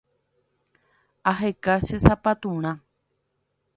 Aheka che sapaturã